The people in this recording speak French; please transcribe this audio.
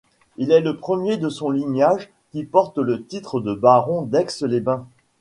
Il est le premier de son lignage qui porte le titre de baron d'Aix-les-Bains.